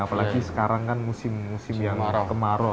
apalagi sekarang kan musim musim yang kemarau